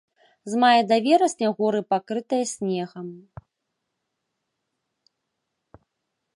З мая да верасня горы пакрытыя снегам.